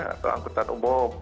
atau angkutan umum